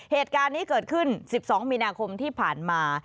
เหตุการณ์นี้เกิดขึ้น๑๒มีนาคมที่ผ่านมา